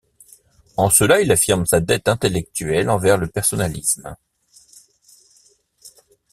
En cela, il affirme sa dette intellectuelle envers le personnalisme.